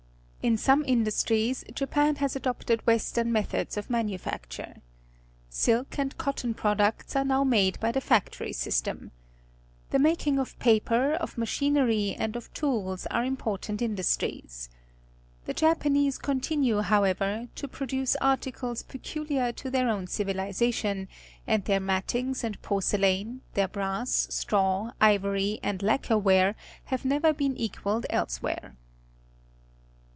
In some industries Japan has adopted Western methods of manufacture. Silk_and cottQiLpi'od.ucts are now made by the factory system. The making of papej^of machiiiery, and of tools are important industries. The Japanese continue, however, to produce articles peculiar to their o\^^l ci\'ilization, and their mattings and porcelain, their brass, §traw, ivory, and lacquer ware have never been equalled elsewhere.